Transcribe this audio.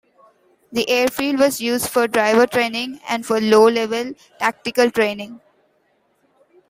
The airfield was used for driver training and for low level tactical training.